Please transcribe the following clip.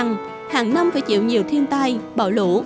trong năm hàng năm phải chịu nhiều thiên tai bạo lũ